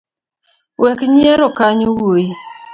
Wek nyiero kanyo wuoi.